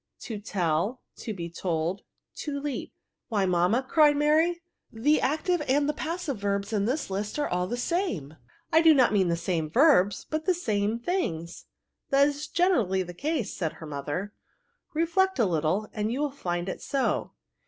To tell. To be told. To leap. " Why, mamma!" cried Mary, " the ac tive and the passive verbs, in this list, are all the same ! I do not mean the same verbsj but the same things." " That is generally the case," said her mother ;reflect a little, and you will find it so.